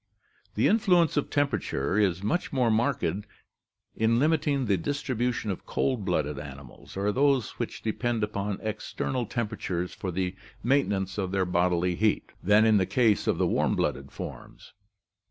The influence of temperature is much more marked in limiting the distribution of cold blooded animals or those which depend upon external temperatures for the maintenance of their bodily heat, than in the case of the warm blooded forms.